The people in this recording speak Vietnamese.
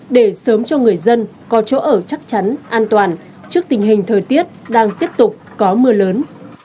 để sớm cho người dân có chỗ ở chắc chắn an toàn trước tình hình thời tiết đang tiếp tục có mưa lớn